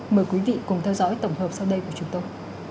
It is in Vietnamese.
mời quý vị cùng theo dõi tổng hợp sau đây của chúng tôi